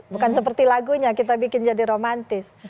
bukan seperti lagunya kita bikin jadi romantis